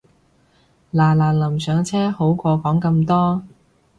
嗱嗱臨上車好過講咁多